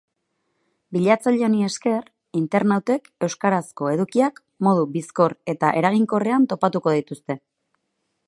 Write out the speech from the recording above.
Bilatzaile honi esker internautek euskarazko edukiak modu bizkor eta eraginkorrean topatuko dituzte.